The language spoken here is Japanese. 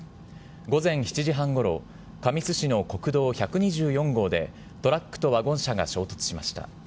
午前７時半ごろ、神栖市の国道１２４号で、トラックとワゴン車が衝突しました。